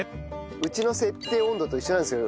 うちの設定温度と一緒なんですよ